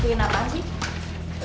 kirain apaan sih